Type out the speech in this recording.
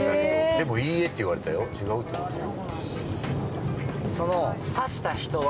でも、いいえって言われたよ、違うってことでしょ。